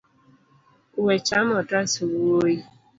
We chamo otas wuoi.